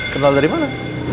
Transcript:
kenal dari mana